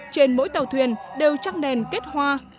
trên mỗi tàu thuyền đều trăng đèn kết hoa